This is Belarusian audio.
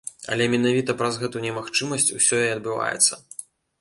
Але менавіта праз гэту немагчымасць усё і адбываецца.